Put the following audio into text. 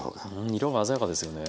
色が鮮やかですよね。